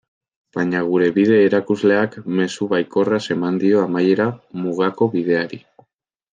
Baina gure bide-erakusleak mezu baikorraz eman dio amaiera Mugako Bideari.